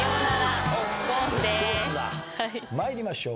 参りましょう。